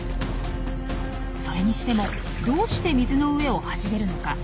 それにしてもどうして水の上を走れるのか？